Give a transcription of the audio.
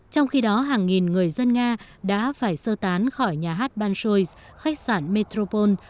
trong khi đó hàng nghìn người dân nga đã phải sơ tán khỏi nhà hát banshoes khách sạn metropole